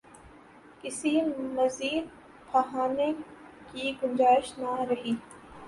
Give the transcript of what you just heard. کسی مزید بہانے کی گنجائش نہ رہی۔